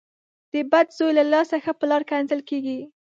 د بد زوی له لاسه ښه پلار کنځل کېږي.